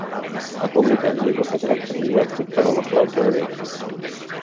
Ha publicat llibres de caràcter didàctic per a la flauta de bec.